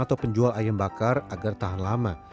atau penjual ayam bakar agar tahan lama